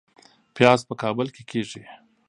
پیاز په کابل کې کیږي